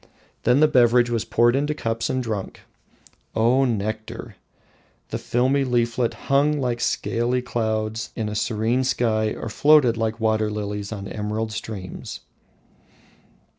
Then the beverage was poured into cups and drunk. O nectar! The filmy leaflet hung like scaly clouds in a serene sky or floated like waterlilies on emerald streams.